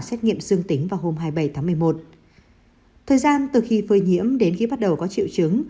xét nghiệm dương tính vào hôm hai mươi bảy tháng một mươi một thời gian từ khi phơi nhiễm đến khi bắt đầu có triệu chứng